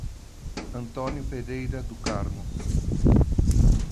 Antônio Pereira do Carmo